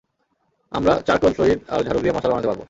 আমরা চার্কল ফ্লুইড আর ঝাড়ু দিয়ে মশাল বানাতে পারবো!